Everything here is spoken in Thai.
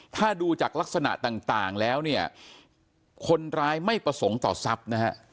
ถ้าดูจากลักษณะต่างแล้วเนี่ยคนร้ายไม่ประสงค์ต่อทรัพย์นะฮะ